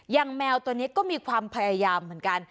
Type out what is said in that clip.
แมวตัวนี้ก็มีความพยายามเหมือนกัน